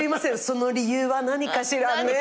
その理由は何かしらね？